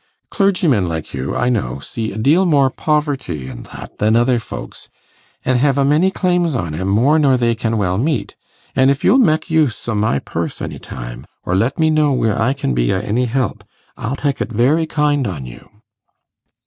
Clergymen like you, I know, see a deal more poverty an' that, than other folks, an' hev a many claims on 'em more nor they can well meet; an' if you'll mek use o' my purse any time, or let me know where I can be o' any help, I'll tek it very kind on you.